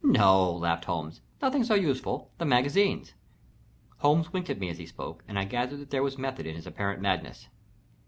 "No," laughed Holmes. "Nothing so useful the magazines." Holmes winked at me as he spoke, and I gathered that there was method in his apparent madness.